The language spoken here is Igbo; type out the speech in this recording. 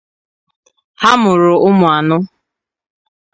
Ha muru umu ano.